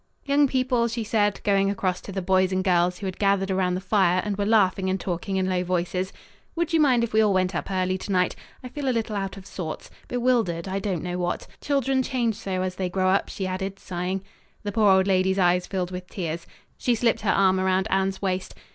"Young people," she said, going across to the boys and girls, who had gathered around the fire and were laughing and talking in low voices, "would you mind if we all went up early to night? I feel a little out of sorts bewildered I don't know what. Children change so as they grow up," she added, sighing. The poor old lady's eyes filled with tears. She slipped her arm around Anne's waist.